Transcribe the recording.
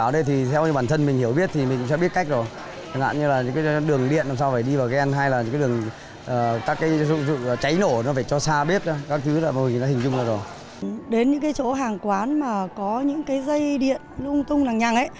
đến những cái chỗ hàng quán mà có những cái dây điện lung tung làng nhằng ấy